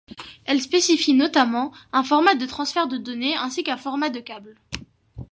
Elle spécifie notamment un format de transfert de données ainsi qu'un format de câble.